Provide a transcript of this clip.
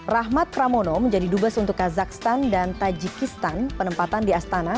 rahmat pramono menjadi dubes untuk kazakhstan dan tajikistan penempatan di astana